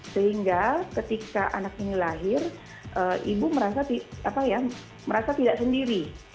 sehingga ketika anak ini lahir ibu merasa tidak sendiri